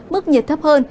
mức nhiệt thấp hơn